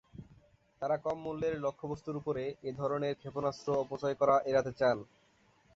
তারা কম মূল্যের লক্ষ্যবস্তুর উপরে এ ধরনের ক্ষেপণাস্ত্র অপচয় করা এড়াতে চান।